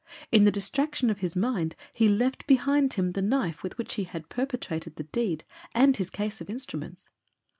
In the distraction of his mind he left behind him the knife with which he had perpetrated the deed, and his case of instruments.